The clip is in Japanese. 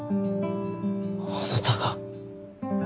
あなたが。